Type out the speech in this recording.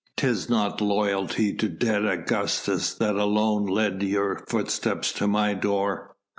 'Tis not loyalty to dead Augustus that alone led your footsteps to my door."